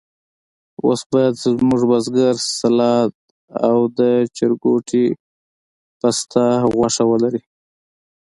اوس باید زموږ برګر، سلاد او د چرګوټي پسته غوښه ولري.